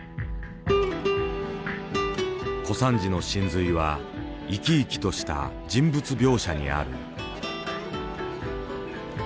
小三治の神髄は生き生きとした人物描写にある。